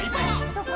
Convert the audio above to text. どこ？